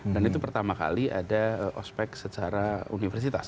dan itu pertama kali ada ospec secara universitas